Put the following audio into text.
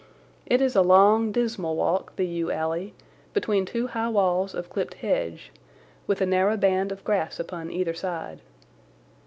It is a long, dismal walk, the yew alley, between two high walls of clipped hedge, with a narrow band of grass upon either side.